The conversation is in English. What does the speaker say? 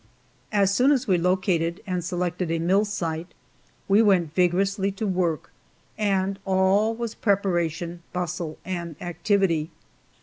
As soon as we located and selected a mill site, we went vigorously to work, and all was preparation, bustle and activity.